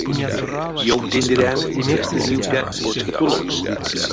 Ёвтындерян, тестэ ливтят боцькатулокс.